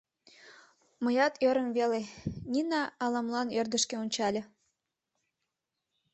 — Мыят ӧрым веле, — Нина ала-молан ӧрдыжкӧ ончале.